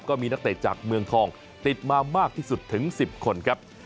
ก็มีนักเตะจากเมืองทองติดมามากที่สุดถึง๑๐คนครับ